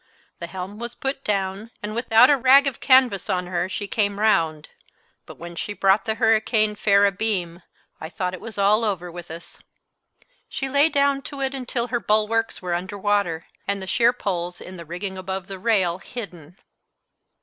The helm was put down, and without a rag of canvas on her she came round; but when she brought the hurricane fair abeam, I thought it was all over with us. She lay down to it until her bulwarks were under water, and the sheer poles in the rigging above the rail hidden.